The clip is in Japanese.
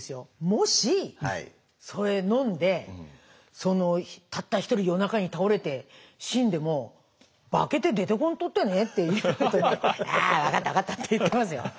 「もしそれ飲んでたった一人夜中に倒れて死んでも化けて出てこんとってね」って言ったら「あ分かった分かった」って言ってますよ。